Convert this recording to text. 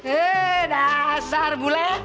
eh dasar bulan